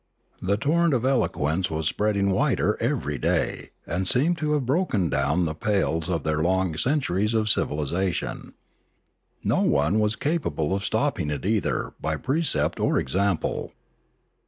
The torrent of eloquence was spreading wider every day and seemed to have broken down the pales of their long centuries of civilisation. No one was capable of stopping it either by precept or example.